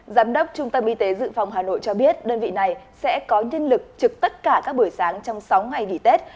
giám đốc trung tâm y tế dự phòng hà nội cho biết đơn vị này sẽ có nhân lực trực tất cả các buổi sáng trong sáu ngày nghỉ tết